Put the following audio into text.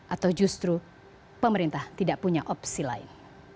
atau justru pemerintah tidak punya opsi lain